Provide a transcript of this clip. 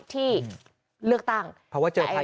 กรุงเทพฯมหานครทำไปแล้วนะครับ